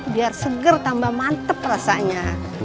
biar seger tambah mantep rasanya